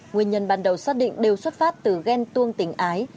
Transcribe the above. nguyên nhân ban đầu xác định đều xuất phát từ ghen tuông tình ái